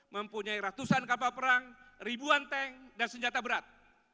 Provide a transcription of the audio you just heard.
mempunyai ratusan kapal perang ribuan tank dan senjata berat